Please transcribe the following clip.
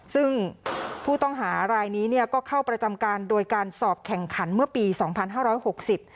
ซึ่งผู้ต้องหารายนี้เนี่ยก็เข้าประจำการโดยการสอบแข่งขันเมื่อปีสองพันห้าร้อยหกสิบ